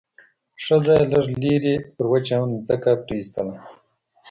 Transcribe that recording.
ښځه يې لږ لرې پر وچه ځمکه پرېيستله.